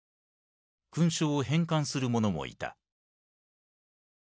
勲章を返還する者もいた。